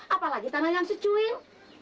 apalagi tanah yang secuil